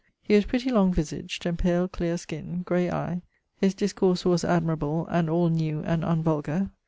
He was pretty long visagd and pale cleare skin, gray eie. His discourse was admirable, and all new and unvulgar.